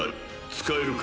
使えるか？